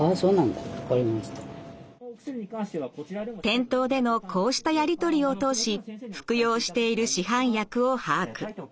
店頭でのこうしたやり取りを通し服用している市販薬を把握。